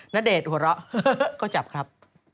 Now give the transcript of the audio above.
ณเดชน์หัวเราะก็จับครับ